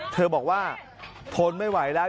เธอบอกว่าทนไม่ไหวแล้ว